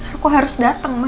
aku harus dateng ma